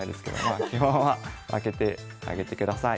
あ基本は負けてあげてください。